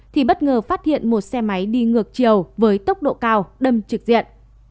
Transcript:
thì bất ngờ phát hiện một xe máy đi ngược chiều với tốc độ cao đâm trực diện